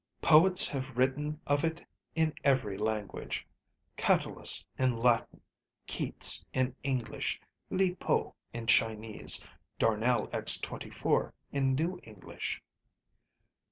Poets have written of it in every language, Catullus in Latin, Keats in English, Li Po in Chinese, Darnel X24 in New English.